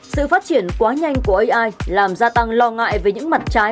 sự phát triển quá nhanh của ai làm gia tăng lo ngại về những mặt trái